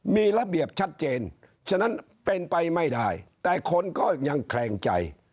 มีระเบียบชัดเจนฉะนั้นเป็นไปไม่ได้แต่คนก็ยังแคลงใจ